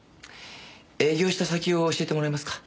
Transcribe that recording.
営業した先を教えてもらえますか？